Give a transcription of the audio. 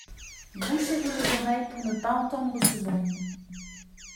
Bouchez-vous les oreilles pour ne pas entendre ce bruit.